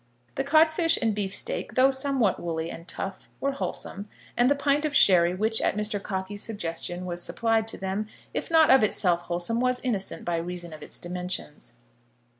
The codfish and beefsteak, though somewhat woolly and tough, were wholesome; and the pint of sherry which at Mr. Cockey's suggestion was supplied to them, if not of itself wholesome, was innocent by reason of its dimensions.